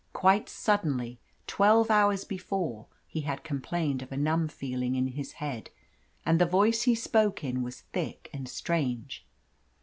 Quite suddenly, twelve hours before, he had complained of a numb feeling in his head, and the voice he spoke in was thick and strange.